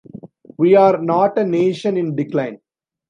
We are not a nation in decline.